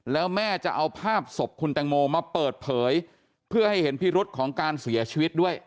แล้วแม่จะเอาภาพศพคุณแตงโมมาเปิดเผยเพื่อให้เห็นพิรุษของการเสียชีวิตด้วย